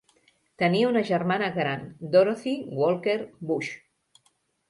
Tenia una germana gran, Dorothy Walker Bush.